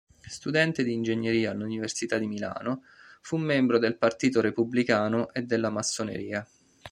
Studente di ingegneria all'Università di Milano, fu membro del partito repubblicano e della Massoneria.